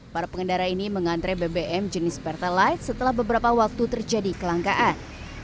para pengendara ini mengantre bbm jenis pertalite setelah beberapa waktu terjadi kelangkaan